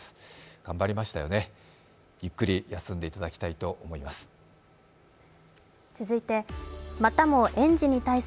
頑張りましたよね、ゆっくり休んでいただきたいと思います。